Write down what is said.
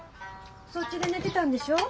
そっちで寝てたんでしょ？